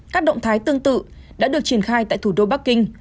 các động thái tương tự đã được triển khai tại thủ đô bắc kinh